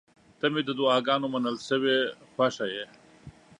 • ته مې د دعاګانو منل شوې خوښه یې.